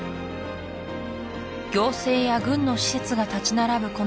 行政や軍の施設が立ち並ぶ